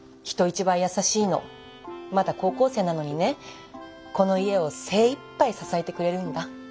まだ高校生なのにねこの家を精いっぱい支えてくれるんだ。